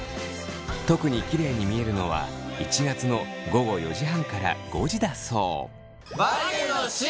特にきれいに見えるのは１月の午後４時半から５時だそう。